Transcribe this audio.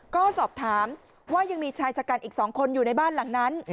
ก็สอบถามว่ายังมีชายชะกันอีก๒คนอยู่ในบ้านหลังนั้น